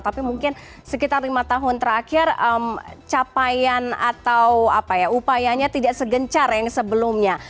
tapi mungkin sekitar lima tahun terakhir capaian atau upayanya tidak segencar yang sebelumnya